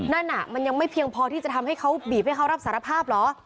นั่นน่ะมันยังไม่เพียงพอที่จะทำให้เขาบีบให้เขารับสารภาพเหรอ